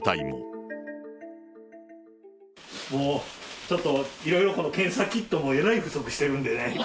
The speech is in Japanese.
もうちょっと、いろいろ検査キットもえらい不足してるんでね。